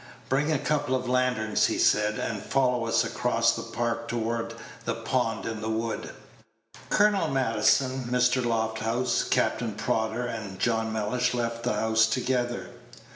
"Bring a couple of lanterns," he said: "and follow us across the Park toward the pond in the wood." Colonel Maddison, Mr. Lofthouse, Captain Prodder, and John Mellish left the house together.